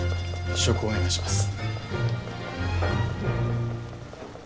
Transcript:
試食をお願いします。